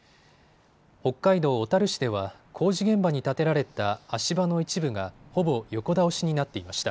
北海道小樽市では工事現場に建てられた足場の一部がほぼ横倒しになっていました。